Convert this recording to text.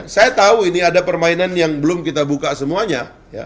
saya tahu ini ada permainan yang belum kita buka semuanya